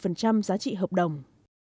năm giá trị hợp đồng